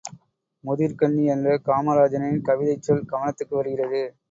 முதிர் கன்னி என்ற காமராஜனின் கவிதைச் சொல் கவனத்துக்கு வருகிறது.